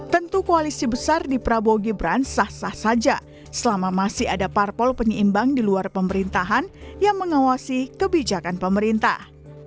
tentu koalisi besar di prabowo gibran sah sah saja selama masih ada parpol penyeimbang di luar pemerintahan yang mengawasi kebijakan pemerintah